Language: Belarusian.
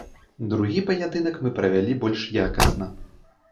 Другі паядынак мы правялі больш якасна.